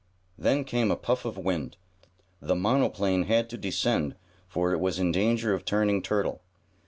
Then came a puff of wind. The monoplane had to descend, for it was in danger of turning turtle.